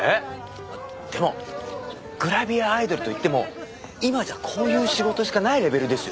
でもグラビアアイドルといっても今じゃこういう仕事しかないレベルですよ。